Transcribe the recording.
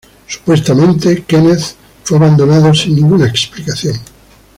Supuestamente Kenneth fue abandonado sin ninguna explicación.